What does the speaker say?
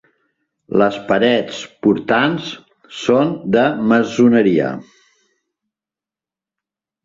Les parets portants són de maçoneria.